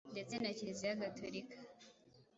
ndetse na Kiliziya Gatolika